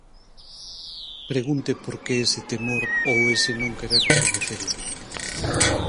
Pregunte por que ese temor ou ese non querer recoñecelo.